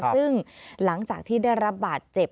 ซึ่งหลังจากที่ได้รับบาดเจ็บ